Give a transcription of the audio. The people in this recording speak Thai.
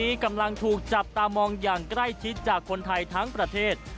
ตอนนี้กำลังถูกจับตามองอย่างใกล้ชิดจากคนไทยทั้งประเทศ